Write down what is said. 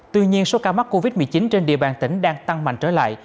tuy nhiên số ca mắc covid một mươi chín trên địa bàn tỉnh đang tăng mạnh trở lại